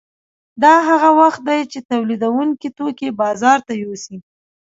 دا هغه وخت دی چې تولیدونکي توکي بازار ته یوسي